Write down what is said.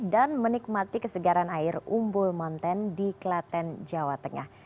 dan menikmati kesegaran air umbul mountain di klaten jawa tengah